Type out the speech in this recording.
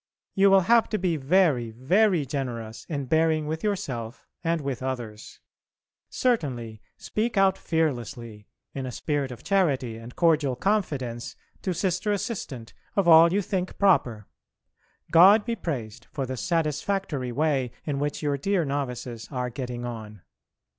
You will have to be very very generous in bearing with yourself and with others. Certainly, speak out fearlessly, in a spirit of charity and cordial confidence, to Sister Assistant of all you think proper. God be praised for the satisfactory way in which your dear novices are getting on.